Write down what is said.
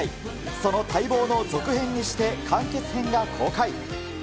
その待望の続編にして完結編が公開。